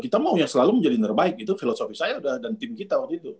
kita mau ya selalu menjadi terbaik itu filosofi saya dan tim kita waktu itu